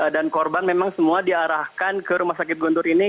korban memang semua diarahkan ke rumah sakit guntur ini